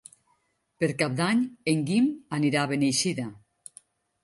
Per Cap d'Any en Guim anirà a Beneixida.